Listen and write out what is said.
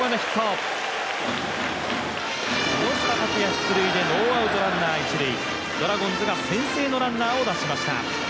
出塁でノーアウトランナー、一塁ドラゴンズが先制のランナーを出しました。